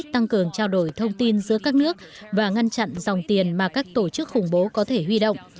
tăng cường trao đổi thông tin giữa các nước và ngăn chặn dòng tiền mà các tổ chức khủng bố có thể huy động